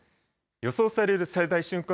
予想される最大瞬間